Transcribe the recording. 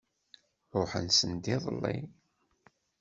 Ṛuḥen send iḍelli.